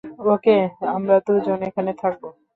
ওকে, আমরা দুজন এখানে থাকব।